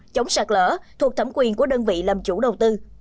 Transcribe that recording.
chống sạt lỡ thuộc thẩm quyền của đơn vị làm chủ đầu tư